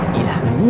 masalah kenapa ya